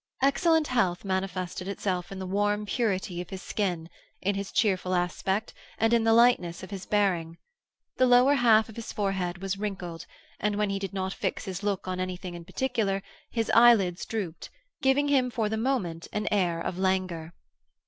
Excellent health manifested itself in the warm purity of his skin, in his cheerful aspect, and the lightness of his bearing. The lower half of his forehead was wrinkled, and when he did not fix his look on anything in particular, his eyelids drooped, giving him for the moment an air of languor.